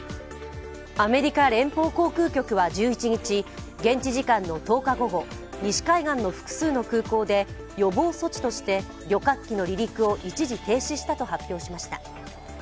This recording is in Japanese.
アメリカ連邦航空局は１１日、現地時間の１０日午後、西海岸の複数の空港で予防措置として旅客機の離陸を一時停止したと発表しました。